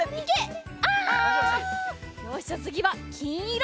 よしじゃあつぎはきいろ。